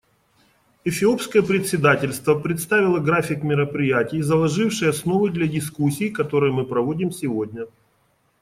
Эфиопское председательство представило график мероприятий, заложивший основы для дискуссий, которые мы проводим сегодня.